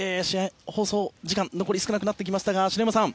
放送時間残り少なくなってきましたが篠山さん